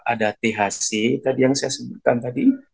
ada thc tadi yang saya sebutkan tadi